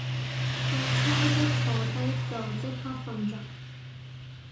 搭車一坐低就即刻瞓着